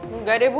enggak deh bu